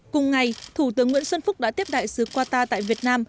cùng ngày thủ tướng nguyễn xuân phúc đã tiếp đại sứ qatar tại việt nam